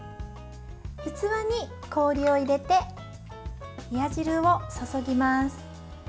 器に氷を入れて冷や汁を注ぎます。